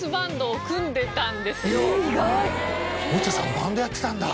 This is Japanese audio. バンドやってた。